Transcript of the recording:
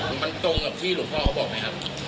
มันตรงกับที่หลวงพ่อเขาบอกไหมครับ